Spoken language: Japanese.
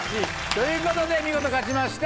ということで見事勝ちました